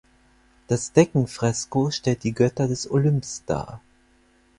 Das Deckenfresko stellt die Götter des Olymps dar.